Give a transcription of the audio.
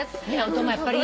音もやっぱりいい。